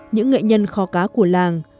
những nghệ nhân kho cá của làng